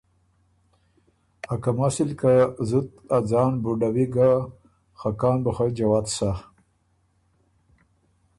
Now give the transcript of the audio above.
ا کم اصل که زُت ا ځان بُډه وی ګۀ خه کان بُو خه جوت بُو سۀ“